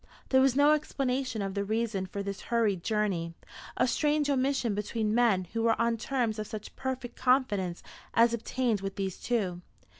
There was no explanation of the reason for this hurried journey, a strange omission between men who were on terms of such perfect confidence as obtained with these two.